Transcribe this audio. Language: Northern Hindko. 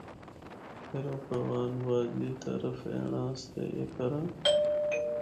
فر او کاغان وادی طرف اینڑا اسطے اے کراں۔